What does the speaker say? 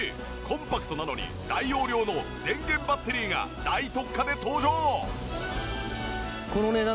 コンパクトなのに大容量の電源バッテリーが大特価で登場！